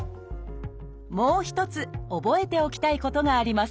もう一つ覚えておきたいことがあります